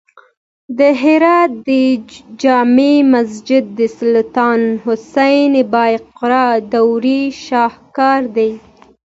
د هرات د جمعې مسجد د سلطان حسین بایقرا دورې شاهکار دی